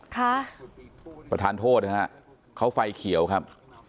ประธานโทษนะฮะเขาไฟเขียวครับ